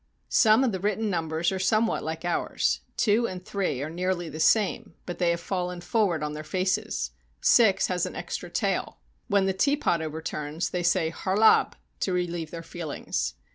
Some of the written numbers are somewhat like ours : 2 and 3 are nearly the same, but they have fallen forward on their faces; 6 has an extra tail. When the teapot over turns, they say " Harlab /" to relieve their feelings.